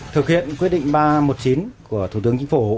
thực hiện quyết định ba trăm một mươi chín của thủ tướng chính phủ